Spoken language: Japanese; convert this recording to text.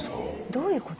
どういうこと？